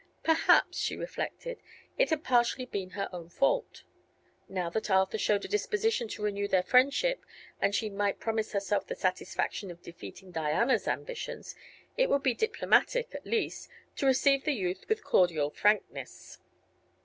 Perhaps, she reflected, it had partially been her own fault. Now that Arthur showed a disposition to renew their friendship, and she might promise herself the satisfaction of defeating Diana's ambitions, it would be diplomatic, at least, to receive the youth with cordial frankness.